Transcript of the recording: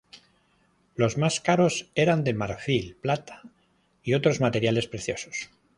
Los más caros eran de marfil, plata, y otros materiales preciosos.